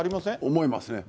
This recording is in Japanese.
思いますね。